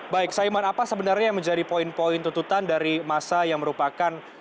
baik saiman apa sebenarnya yang menjadi poin poin tuntutan dari masa yang merupakan